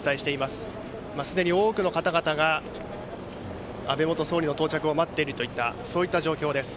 すでに多くの方々が安倍元総理の到着を待っているといった状況です。